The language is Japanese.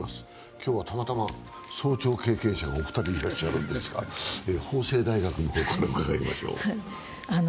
今日はたまたま総長経験者がお二人いらっしゃいますが法政大学の方から伺いましょう。